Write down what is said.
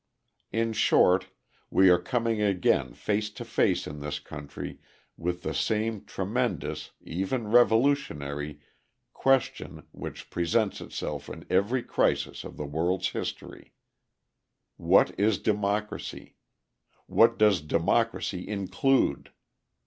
In short, we are coming again face to face in this country with the same tremendous (even revolutionary) question which presents itself in every crisis of the world's history: "What is democracy? What does democracy include?